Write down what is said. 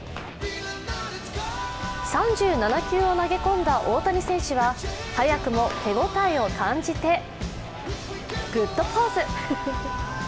３７球を投げ込んだ大谷選手は早くも手応えを感じてグッドポーズ。